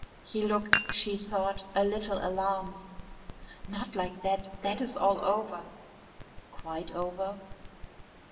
He looked, she thought, a little alarmed. "Not like that, that is all over." "Quite over?"